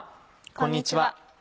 こんにちは。